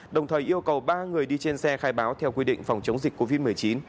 đồng thời yêu cầu ba người đi trên xe khai báo theo quy định phòng chống dịch covid một mươi chín